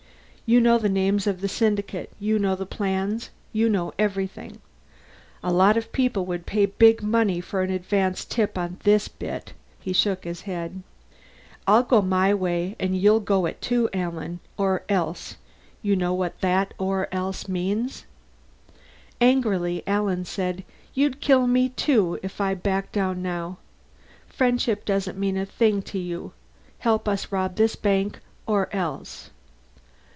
You know the names of the syndicate, you know the plans, you know everything. A lot of people would pay big money for an advance tip on this bit." He shook his head. "I'll go my way and you'll go it too, Alan. Or else. You know what that or else means." Angrily Alan said, "You'd kill me, too, if I backed down now. Friendship doesn't mean a thing to you. 'Help us rob this bank, or else.'"